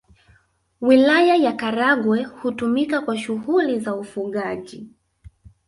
Wilaya ya Karagwe hutumika kwa shughuli za ufugaji